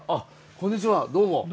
こんにちはどうも。